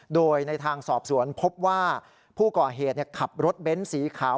โดยในทางสอบสวนพบว่าผู้ก่อเหตุขับรถเบ้นสีขาว